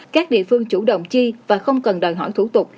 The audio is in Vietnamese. các địa phương chủ động chi và không cần đòi hỏi thủ tục